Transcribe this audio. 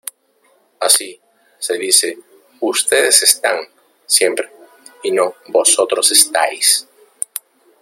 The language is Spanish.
Así, se dice "ustedes están" siempre, y no "vosotros estáis".